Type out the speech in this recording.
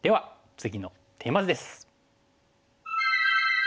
次のテーマ図です。